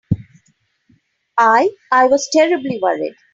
I—I was terribly worried.